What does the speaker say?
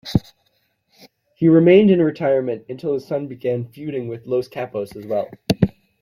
He remained in retirement until his son began feuding with Los Capos as well.